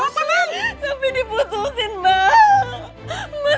sampai diputusin mak